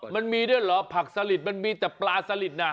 มันมีด้วยเหรอผักสลิดมันมีแต่ปลาสลิดนะ